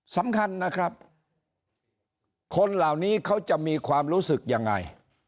สำคัญนะครับคนเหล่านี้เขาจะมีความรู้สึกยังไง